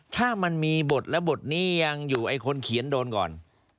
ถ้ามันมีบทและบทนี้ยังอยู่ไอ้คนเขียนโดนก่อน